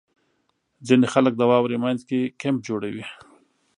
• ځینې خلک د واورې مینځ کې کیمپ جوړوي.